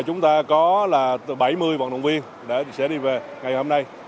chúng ta có là bảy mươi vận động viên sẽ đi về ngày hôm nay